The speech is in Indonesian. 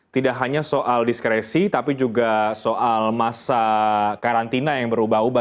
tidak hanya soal diskresi tapi juga soal masa karantina yang berubah ubah